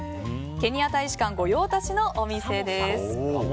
ケニア大使館御用達のお店です。